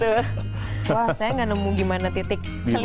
wah saya gak nemu gimana titik selipnya nih